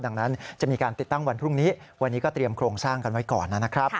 ดังนั้นจะมีการติดตั้งวันพรุ่งนี้วันนี้ก็เตรียมโครงสร้างกันไว้ก่อนนะครับ